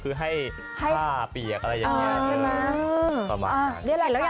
อะไรสักอย่างนี่แหละ